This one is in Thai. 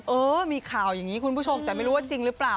เออมีข่าวอย่างนี้คุณผู้ชมแต่ไม่รู้ว่าจริงหรือเปล่า